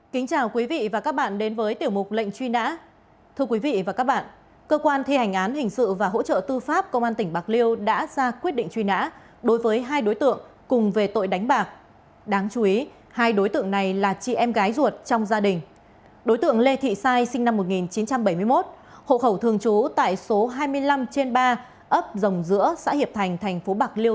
kính chào quý vị và các bạn đến với bộ phim hãy nhớ like share và đăng ký kênh của chúng mình nhé